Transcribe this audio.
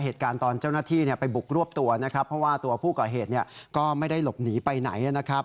เหตุการณ์เจ้าหน้าที่ไปบุกรวบตัวเพราะว่าผู้ก่อเหตุไม่ได้หลบหนีไปไหน